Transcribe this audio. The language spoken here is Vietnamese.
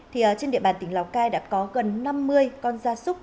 trên địa bàn tỉnh lào cai đã có gần năm mươi con da súc